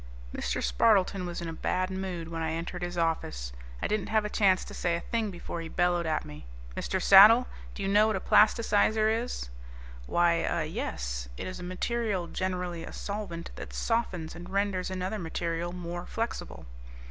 Mr. Spardleton was in a bad mood when I entered his office. I didn't have a chance to say a thing before he bellowed at me, "Mr. Saddle, do you know what a plasticizer is?" "Why, ah, yes. It is a material, generally a solvent, that softens and renders another material more flexible."